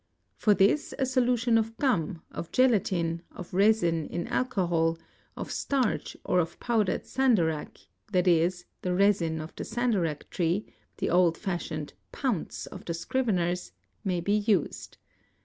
For this a solution of gum, of gelatine, of resin in alcohol, of starch or of powdered sandarac, 7.e., the resin of the sandarac tree, the old fashioned "pounce" of the scriveners, may be used.